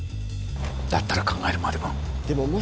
だったら考えるまでも。